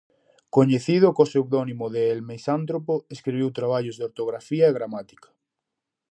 Coñecido co pseudónimo de El Misántropo, escribiu traballos de ortografía e gramática.